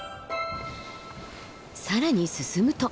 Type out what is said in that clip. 更に進むと。